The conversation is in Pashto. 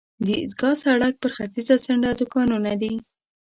د عیدګاه سړک پر ختیځه څنډه دوکانونه دي.